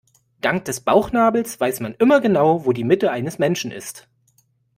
Dank des Bauchnabels weiß man immer genau, wo die Mitte eines Menschen ist.